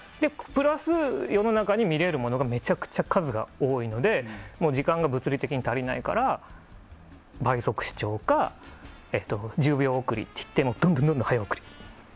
プラス、世の中に見れるものの数がめちゃくちゃ多いのでもう時間が物理的に足りないから倍速視聴か１０秒送りといったどんどん早送り。